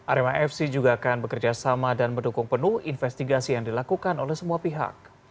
arema fc juga akan bekerja sama dan mendukung penuh investigasi yang dilakukan oleh semua pihak